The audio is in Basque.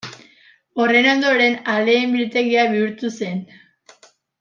Horren ondoren aleen biltegia bihurtu zen.